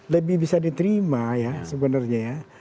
lebih bisa diterima ya sebenarnya ya